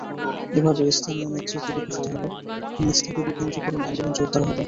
এভাবে স্থানীয় নেতৃত্ব বিকশিত হলে নিচ থেকে বিকেন্দ্রীকরণ আন্দোলন জোরদার হবে।